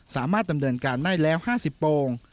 สามารถดำเนินการได้แล้ว๕๐โปรง